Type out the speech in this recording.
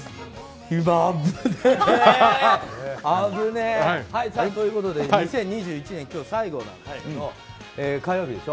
今、危ねえ！ということで、２０２１年今日、最後なんだけど火曜日でしょ。